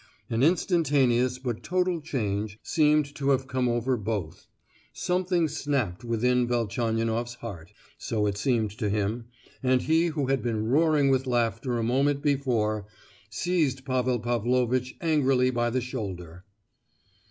An instantaneous but total change seemed to have come over both. Something snapped within Velchaninoff's heart—so it seemed to him, and he who had been roaring with laughter a moment before, seized Pavel Pavlovitch angrily by the shoulder.